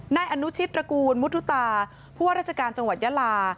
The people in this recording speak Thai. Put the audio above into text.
นายอนุชิตตระกูลมุทุตาผู้ว่าราชการจังหวัดยาลา